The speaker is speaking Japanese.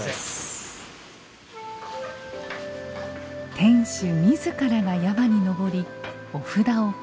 店主自らが山に登りお札を配る。